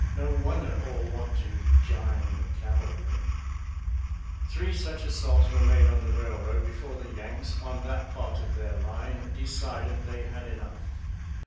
No wonder all want to " jine the cavalry "! Three such assaults were made on the railroad before the Yanks, on that part of their line, de cided they had enough.